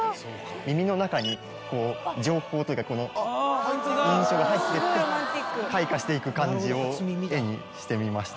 耳の中に情報というか印象が入っていって開花していく感じを絵にしてみました。